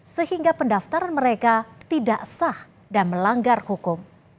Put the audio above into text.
sehingga pendaftaran mereka tidak sah dan melanggar hukum